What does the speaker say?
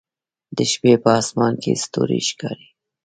د شپې په اسمان کې ستوري ښکاري